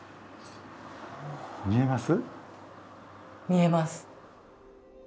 みえます？